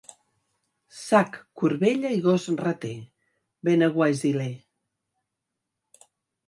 Sac, corbella i gos rater... benaguasiler.